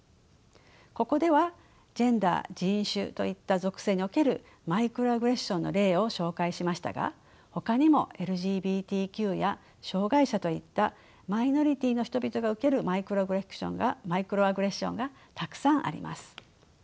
ここではジェンダー人種といった属性におけるマイクロアグレッションの例を紹介しましたがほかにもＬＧＢＴＱや障害者といったマイノリティーの人々が受けるマイクロアグレッションがたくさんあります。